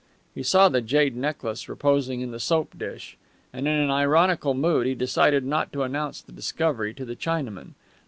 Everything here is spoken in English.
He saw the jade necklace reposing in the soap dish, and in an ironical mood he decided not to announce the discovery to the Chinaman.